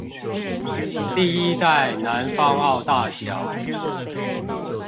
第一代南方澳大橋